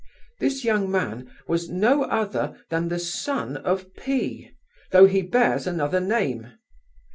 This young man was no other than the son of P——, though he bears another name.